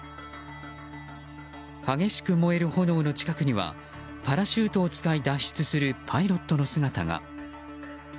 激しく燃える炎の近くにはパラシュートを使い脱出するパイロットの姿が。